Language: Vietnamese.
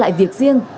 lại việc riêng